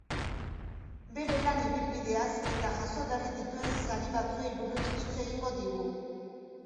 Bere lan ibilbideaz eta jaso berri dituen sari batzuei buruz hitz egingo digu.